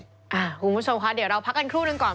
คุณผู้ชมคะเดี๋ยวเราพักกันครู่นึงก่อน